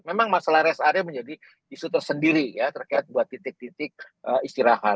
memang masalah rest area menjadi isu tersendiri ya terkait buat titik titik istirahat